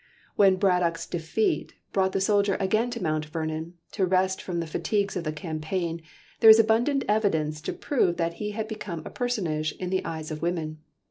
When Braddock's defeat brought the soldier again to Mount Vernon, to rest from the fatigues of the campaign, there is abundant evidence to prove that he had become a personage in the eyes of women.